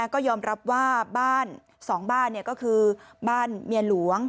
ก็ยอมรับว่าบ้าน๒บ้านก็คือบ้านเมียหลวง